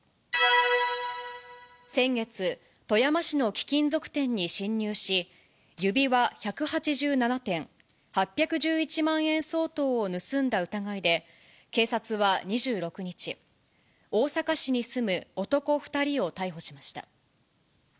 先月、富山市の貴金属店に侵入し、指輪１８７点、８１１万円相当を盗んだ疑いで、警察は２６日、大阪市に住む男２人を逮捕しました。